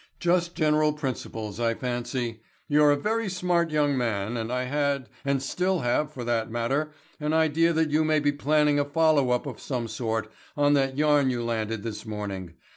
"Just general principles, I fancy. You're a very smart young man and I had, and still have for that matter, an idea that you may be planning a follow up of some sort on that yarn you landed this morning.